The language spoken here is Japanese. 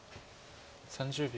３０秒。